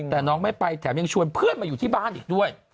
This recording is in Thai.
แต่น้องไม่ไปแถมยังชวนเพื่อนมาอยู่ที่บ้านอีกด้วย